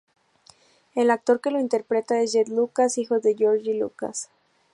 El actor que lo interpreta es Jett lucas, hijo de George Lucas.